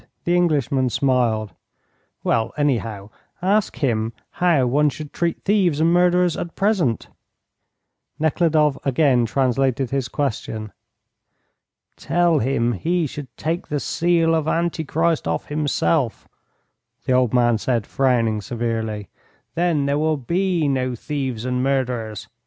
The Englishman smiled. "Well, anyhow, ask him how one should treat thieves and murderers at present?" Nekhludoff again translated his question. "Tell him he should take the seal of Antichrist off himself," the old man said, frowning severely; "then there will be no thieves and murderers.